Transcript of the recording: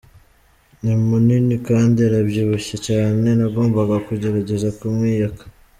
Ni munini kandi arabyibushye cyane, nagombaga kugerageza kumwiyaka.